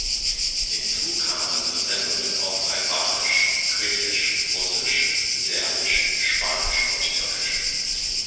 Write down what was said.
Hinzu kamen Sendungen auf albanisch, griechisch, russisch, serbisch, spanisch und türkisch.